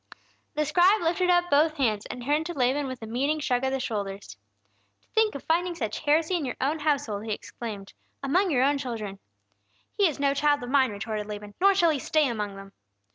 The scribe lifted up both hands, and turned to Laban with a meaning shrug of the shoulders. "To think of finding such heresy in your own household!" he exclaimed. "Among your own children!" "He is no child of mine!" retorted Laban. "Nor shall he stay among them!"